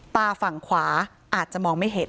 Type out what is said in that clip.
ฝั่งขวาอาจจะมองไม่เห็น